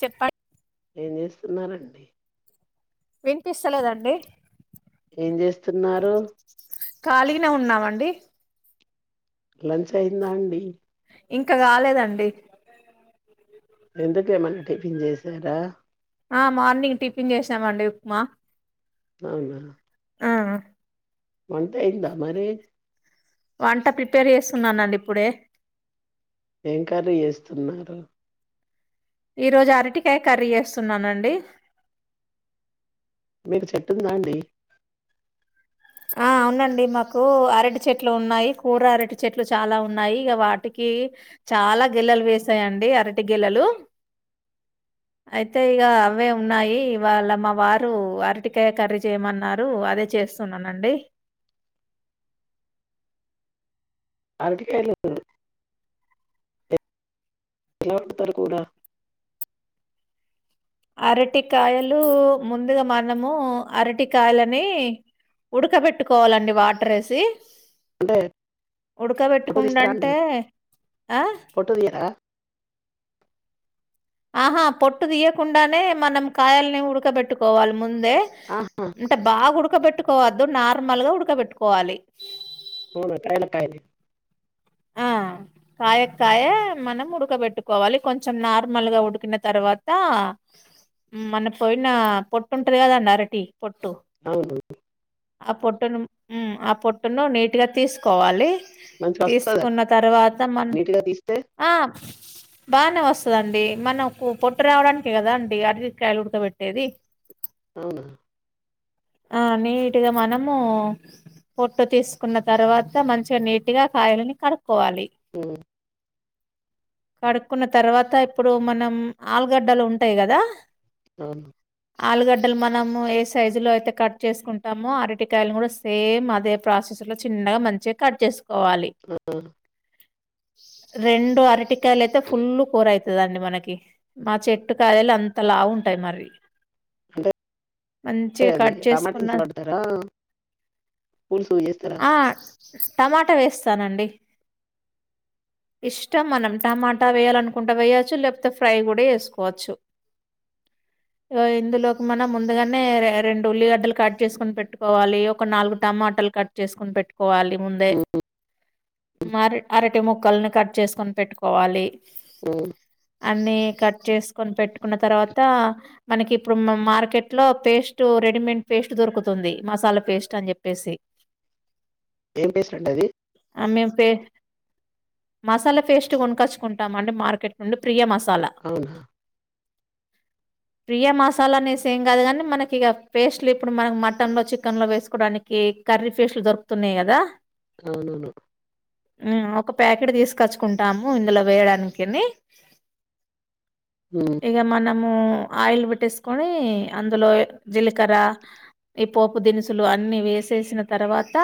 చెప్ప ఏం చేస్తున్నారండి వినిపిస్తలేదండి ఏం చేస్తున్నారు ఖాళీగానే ఉన్నామండి లంచ్ అయిందా అండి ఇంకా కాలేదండి ఎందుకు ఎమన్నా టిఫిన్ చేసారా ఆ మార్నింగ్ టిఫిన్ చేసామండి ఉప్మా అవునా ఆ వంటయిందా మరి వంట ప్రిపేర్ చేస్తున్నానండి ఇప్పుడే ఎమ్ కర్రీ చేస్తున్నారు ఈ రోజు అరటికాయ కర్రీ చేస్తున్నానండి మీకు చెట్టుందా అండి ఆ అవునండి మాకు అరటి చెట్లు ఉన్నాయి కూర అరటి చెట్లు చాలా ఉన్నాయి ఇగ వాటికి చాలా గెలెలు వేసాయండి అరటి గెలెలు అయితే ఇగ అవే ఉన్నాయి ఇవాళ మా వారు అరటికాయ కర్రీ చేయమన్నారు అదే చేస్ తున్నానండి అరటి కాయలు క్లయిప్తా [unintelligible] యి కూడా అరటికాయలు ముందుగా మనము అరటికాయలని ఉడకబెట్టుకోవాలండి వాటర్ వేసి అంటే పొట్టు తీస్తారా అండి ఉడకబెట్టుకుండంటే ఆ పొట్టు తీయరా ఆహా పొట్టు తీయకుండానే మనం కాయల్ని ఉడకబెట్టుకోవాలి ముంద్ ముందే ఆహా అంటే బాగా ఉడుక్ ఉడకబెట్టుకోవద్దు నార్మల్గా ఉడకబెట్టుకోవాలి వును ఎప్పుడన్నా కాయని [unintelligible] ఆ కాయక్ కాయ మనం ఉడకబెట్టుకోవాలి కొంచం నార్మల్గా ఉడికిన తర్వాత మన పోయిన పొట్టు ఉంటది కదండి అరటి పొట్టు అవును ఆ పొట్టును ము ఆ పొట్టును నీటుగా తీసుకోవాలి మంచిగా వస్తదా తీసుకున్న తర్వాత మన్ నీట్గా తీస్తే ఆ బానే వస్తదండి మనకు పొట్టు రావడానికే కందండి అరిటీ కాయలు ఉడకబెట్టేది అవునా ఆ నీటుగా మనము పొట్టు తీసుకున్న తర్వాత మంచిగా నీటిగా కాయల్ని కడు కోవాలి ఉమ్ కడుకున్న తర్వాత ఇప్పుడు మనం ఆలుగడ్డలు ఉంటాయి కదా అవును ఆలుగడ్డలు మనము ఏ సైజు లో అయితే కట్ చేసుకుంటామో అరటికాయలు కూడా సేమ్ అదే ప్రాసెస్ లో చిన్నగా మంచిగా కట్ చేసు కోవాలి ఆ రెండు అరటి కాయలైతే ఫుల్లు కూర అయిత్ లంటి మనకి మా చెట్టు కాయలు అంత లావు ఉంటాయి మరి అదే మంచిగా అది కట్ టమాటా చేసుకున్న తీసి పడతారా పులుసు ఎస్తారా టమాట్ ట వేస్తానండి ఇష్టం మనం టమాటా వేయాలనుకుంటే వేయచ్చు లేకపోతే ఫ్రై కూడా చేసుకోవచ్చు హో ఇందులోకి మనం ముందుగానే రెండు ఉల్లిగడ్డలు కట్ చేసుకని పెట్టుకోవాలి ఒక నాలుగు టమాటాలు కట్ చేసుకుని పెట్టు కోవాలి ముందే ఉమ్ మరి అరటి ముక్కల్ని కట్ చేసుకొని పెట్టుకోవాలి ఓ అన్నీ కట్ చేసుకొని పెట్టుకున్న తర్వాత మనకి ఇప్పుడు మార్కెట్లో పేస్ట్ రెడీమేడ్ పేస్ట్ దొరుకుతుంది మసాలా పేస్ట్ అని చెప్పేసి ఏం పేస్ట్ ఉంటది మసాలా పేస్ట్ కొన్కొచ్చుకుంటాం అండి మార్కెట్ నుండి ప్రి మాస్ అవున ప్రియా మసాలానే సేమ్ కాదు కానీ మనకి ఇక పేస్ట్లు ఇప్పుడు మనం మటన్ లో చికెన్ లో వేసుకోవడానికి కర్రీ పేస్ట్లు దొరుకుతున్నాయి కదా అవునౌను ఒక ప్యాకెట్ తీసుకొచ్చుకుంటాము ఇందులో వేయడానికిని ఉమ్ ఎగ మనం మూ ఆయిల్ పెట్టేసుకొని అందులో జీలకర్ర ఈ పోపు దినుసులు అన్ని వేసేసిన తర్వాత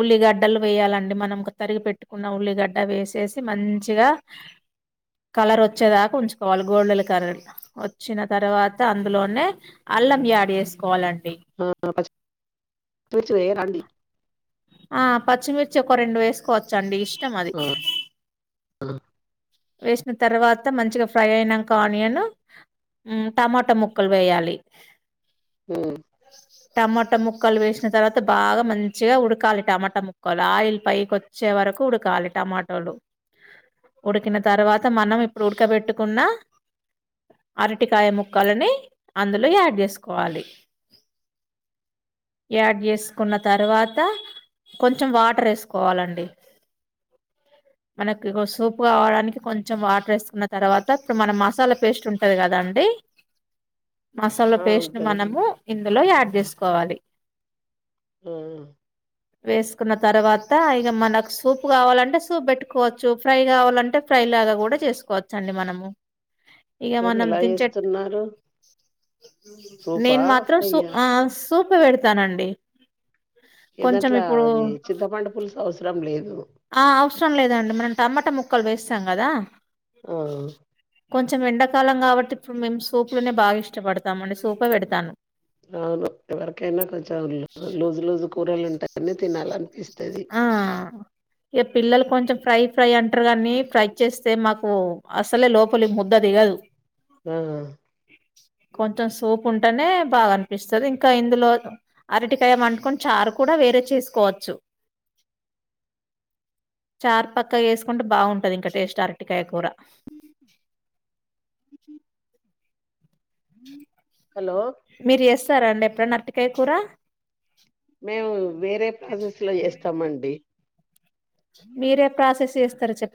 ఉల్లిగడ్డలు వేయాలండి మనం తరిగి పెట్టుకున్న ఉల్లిగడ్డ వేసేసి మంచిగా కలర్ ఒచ్చేదాకా ఉంచుకోవాలి గోల్డెన్ కలర్ ఒచ్చిన తర్వాత అందులోనే అల్లం యాడ్ చేసుకోవాలండి ఆ ప పచ్చ [inaudible] చ్చ పో రడి ఆ పచ్చిమిర్చి ఒక రెండు వేస్ కోచ్చండి ఇష్టం అది ఆ వేసిన తర్వాత మంచిగా ఫ్రై అయినంక ఆనియన్ టమాటా ముక్కల్ వేయాలి మ్ ముక్కల్ వేస్ తర్వాత బాగా మంచిగా ఉడ్ కాల్ టమాటా ముక్కలు ఆయిల్ పైకిొచ్చే వరకు ఉడకాలి టమాటోలు ఉడికిన తర్వాత మనం ఇప్పుడు ఉడకబెట్టుకున్న అరటికాయ ముక్కలని అందులో యాడ్ చేసుకోవాలి యాడ్ చేసుకున్న తర్వాత కొంచెం వాటర్ వేసుకోవాలండి మనకు సూప్ కావడానికి కొంచెం వాటర్ వేసుకున్న తర్వాత ఇప్పుడు మన మసాలా పేస్ట్ ఉంటది కదాండి మసాలా ఆ పేస్ట్ ను మనము ఉంటదండి ఇందులో యాడ్ చేస్ కోవాలి ఆ వేసుకున్న తర్వాత ఇక మనకు సూప్ కావాలంటే సూప్ పెట్టుకోవచ్చు ఫ్రై కావాలంటే ఫ్రై లాగా కూడా చేసుకోవచ్చు అండి మనము ఇక మీర్ మనం ఎలా దించేట్ చేస్తున్నారు సూపా నేను మాత్రం సో ఫ్రైయా ఆ స్ సూపె పెడతానండి కొంచెం ఎదట్లా ఇప్పుడు ది చిత్తపండు పులుస్ అవసరం లేదు ఆ అవ్ అవసరం లేదండి మనం టమాటా ముక్కలు వేసాం కదా ఆ కొంచెం ఎండాకాలం కాబట్టి ఇప్పుడు మేము సూపులనే బాగా ఇష్టపడతాం అండి సూపె పెడతాను. అవును ఎవరికైనా కొంచం లు లూజు లూజు కూరలు ఉంటా అన్ని తినాలనిపిస్ ఆ ఇక పిల్లలు కొంచెం ఫ్రై ఫ్రై అంటారు కానీ ఫ్రై చేస్తే మాకు అసలే లోపలికి ముద్ద దిగదు. ఆ కొంచెం సూపు ఉంటేనే బాగనిపిస్తది. ఇంకా ఇందులో అరటికాయ వండుకుని చారు కూడా వేరె చేసుకోవచ్చు. చారుపక్క వేసుకుంటె బాగుంటది ఇంకా టేస్ట్ అరటికాయ కూర హలో మీరు ఎస్ తారా అండి ఎప్పుడన్న అర్టికాయ కూర మేము వేరె ప్రాసస్ లో చేస్తామండి. మీరే ప్రాసెస్ చేస్ తరు చెప్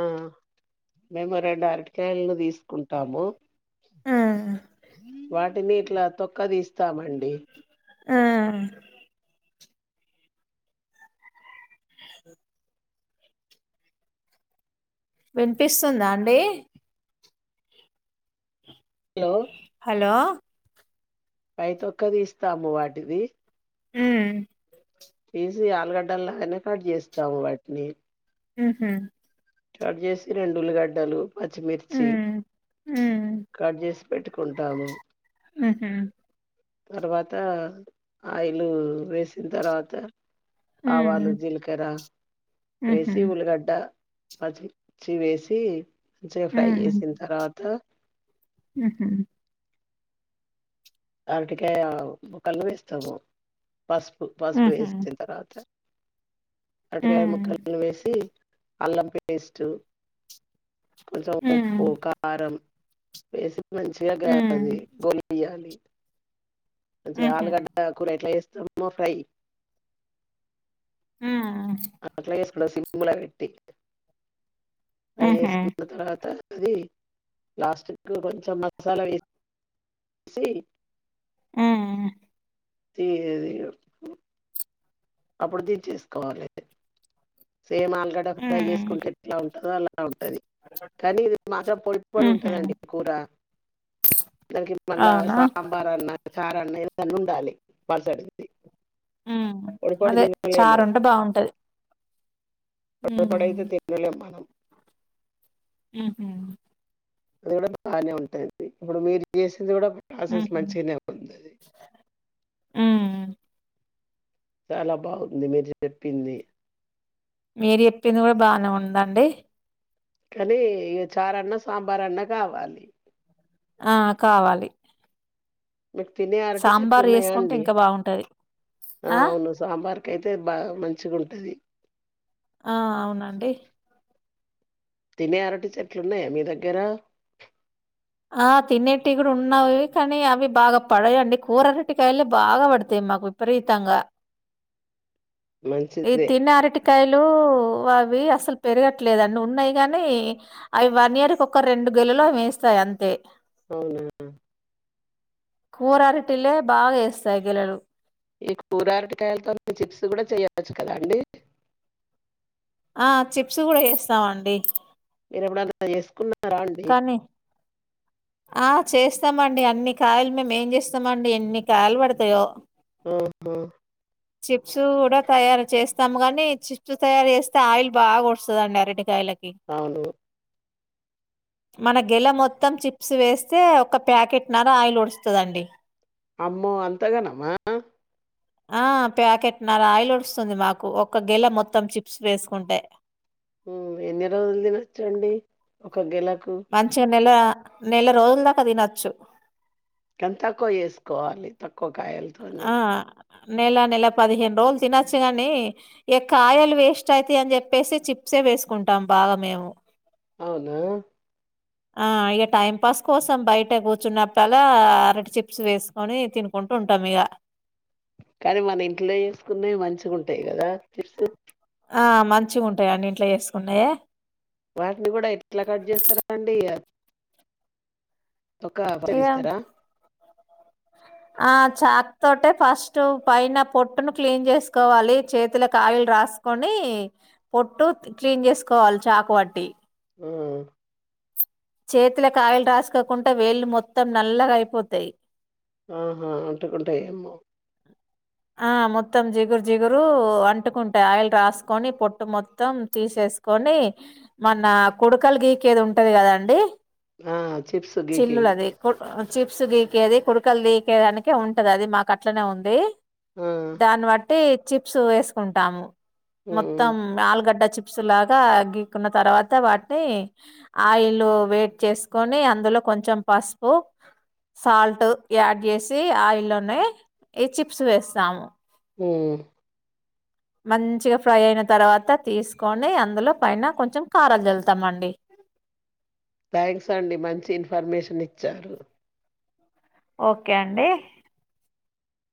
ఆ మెమో రెండు అరటి క్యాయ్లు తీసుకుంటాము. ఆ హ వాటిని ఇట్లా తొక్క తీస్తామండి ఆ స వినిపిస్తుందా అండి లో హలో పైతొక్క తీస్తాము వాటిది. మ్మ్ తీసి ఆలుగడ్డలాగానే కట్ చేస్తాము వాటిని. మ్ హు స్టార్ట్ చేసి రెండుల్లిగడ్డలు పచ్చిమిర్చి ఉమ్ ఉమ్ కట్ చేసి పెట్టుకుంటాము ఉహు తర్వాత ఆయిలు వేసిన తర్వాత ఆవాలు ఉమ్ జీల్కరా ఉహు వేసి ఉల్గడ్డ పచ్చి [unintelligible] చ్చి వేసి మంచిగ ఫ్రై ఉమ్ చేసిన్ తర్వాత ఉహు అరటికాయ ముక్కలు వేస్తాము. పసుపు పసుపు ఉహు వేసిన తర్వాత అరటికాయ ఉమ్ ముక్కలను వేసి అల్లం పేస్ట్ కొంచం ఉమ్ ఉప్పు కారం వేసి మంచిగా ఉమ్ కాలది బోలియ్యాలి మంచిగా ఉహు ఆలుగడ్డ కూర ఎట్ల చేస్తం మొత్తం ఫ్రై ఆ అట్లా కూడా సి [unintelligible] మెల పెట్టి ఫ్రై ఉహు చేేసుకున్న తర్వాత అది లాస్ట్ కి కొంచెం మసాలా వేసి సి ఉ త [unintelligible] అప్పుడు దించేేసుకోవాలి సేమ్ ఆలుగడ్డ ఫ్రై ఉమ్ చేసుకుంటే ఎట్లా ఉంటదో అలా ఉంటది కానీ ఇది మాత్రం పొడి పొడి ఉహు ఉంటదండి కూర దానికి మళ్ళా అవునా సాంబార్ అన్నా చారా అన్న ఏదన్న ఉండాలి పలసటిది ఉ అదే చారు ఉంటే బాగుంటది పొడి పొడైతే ఉమ్ తినలేం మనం ఉహు అది కూడా బాగానే ఉంటది ఇప్పుడు మీరు చేస ఇది కూడా ప్రాసెస్ ఉహు మంచిగానే ఉందది ఆ చాలా బాగుంది మీరు చెప్పింది మీరు చెప్పింది కూడా బానే ఉందండి కానీ ఇగ చారన్న సాంబారన్న కావాలి ఆ కావాలి మీకు తినే అరటి చెట్లు సాంబార్ ఉన్నాయా చేసుకుంటే అండి ఇంకా బాగుంటది ఆ అవును సాంబార్ ైతే బాగా మంచిగ ఉంటది ఆ అవునండి తినే అరటి చెట్లున్నాయా మీ దగ్గర ఆ తిినేటి కూడా ఉన్నావి కానీ అవి బాగా పడయండి కూర ఆరటికాయలే బాగా పడతాయి మాకు విపరీతంగా ఈ మంచిదే. తిన్న ఆరటి కాయలు లు అవి అసలు పెరగట్లేదండి ఉన్నాయి గానీ అవి వన్ ఇయర్ కి ఒక రెండు గెలులు అవి వేస్తాయి అంతే అవునా కూరరటిలే బాగా ఏస్తాయి గెలలు ఈ కూరారటికాయలతోని చిప్స్ కూడా చెయ్యొచ్చు కదండి ఆ చిప్స్ కూడా చేస్తామండి మీరెప్పుడన్న చేసుకున్న నారా అండి కానీ ఆ చేస్తామండి అన్ని కాయలు మేము ఏం చేస్తామండి ఎన్ని కాయలు పడతాయో ఊహూ చిప్స్ కూడా తయారు చేస్తాము కాని చిప్స్ తయారు చేస్తే ఆయిల్ బాగా ఉడుస్తుదండి అరటికాయల అవును మన గెల మొత్తం చిప్స్ వేస్తే ఒక ప్యాకెట్ నర ఆయిల్ ఉడుస్తుదండి అమ్మో అంతగనమా ఆ ప్యాకెట్ నర ఆయిలు ఉడుస్తుంది మాకు ఒక్క గెల మొత్తం చిప్స్ వేసుకుంటే ఉమ్ ఎన్ని రోజులు తినచ్చండి ఒక గెల మంచిగ నెల నెల రోజుల దాకా తినచ్చు ఎంతక్కువ చేసుకోవాలి తక్ క్కువ కాయలతోని ఆ! నెల నెల పదిహేను రోజులు తినొచ్చు గాని ఎ కాయలు వేస్ట్ అయితాయి అని చెప్పేసి చిప్సే వేసుకుంటాం బాగా మేము అవునా ఆ ఇగ టైం పాస్ కోసం బయట కూర్చున్నప్పలా అరటి చిప్స్ వేసుకొని తినుకుంటూ ఉంటాం ఇగ కానీ మన ఇంట్లో చేసుకునేవి మంచిగుంటాయి కదా చెప్సు ఆ మంచిగుంటాయండి ఇంట్లో చేసుకున్నయే వాటిని కూడా ఎట్లా కట్ చేస్తారండి తొక్క [unintelligible] ఇగ తీస్తరా ఆ చాకు తోటే ఫస్ట్ పైన పొట్టును క్లీన్ చేసుకోవాలి చేతులకు ఆయిలు రాసుకొని పొట్టు క్లీన్ చేసుకోవాలి చాకు వట్టి ఉమ్మ్ చేతిలకు ఆయిల్ రాసుకోకుంట వేళ్ళు మొత్తం నల్లగా అయిపోతాయి ఆహా అంటుకుంటయేమో ఆ మొత్తం జిగురు జిగురు అంటుకుంటాయి ఆయిల్ రాసుకొని పొట్టు మొత్తం తీసేసుకొని మన కొడుకలు గీకేది ఉంటది కదండి ఆ చిప్స్ గీకేగ చిల్లులు అది [unintelligible] చిప్స్ గీకేది కుడకలు గీకేదానికే ఉంటది అది మాకు అట్లనే ఉంది ఆ దాన్ని వట్టి చిప్స్ వేసుకుంటాము మొత్తం ఆలుగడ్డ చి ప్స్ లాగా గీక్కున్న తర్వాత వాటిని ఆయిల్ వేడి చేసుకొని అందులో కొంచెం పసుపు సాల్ట్ యాడ్ చేసి ఆయిల్లోనే ఈ చిప్స్ వేస్ తాము ఉమ్మ్ మంచిగా ఫ్రై అయిన తర్వాత తీసుకొని అందులో పైన కొంచెం కారాలు జల్లుతామండి థ్యాంక్స్ అండి మంచి ఇన్ఫర్మేషన్ ఇచ్చారు ఓకే అండి